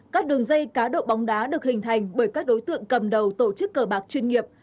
các đường dây cá độ bóng đá được hình thành bởi các đối tượng cầm đầu tổ chức cờ bạc chuyên nghiệp